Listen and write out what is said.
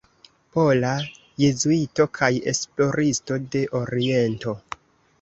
Pola jezuito kaj esploristo de Oriento.